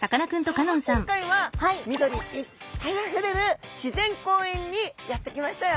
さあ今回は緑いっぱいあふれる自然公園にやって来ましたよ！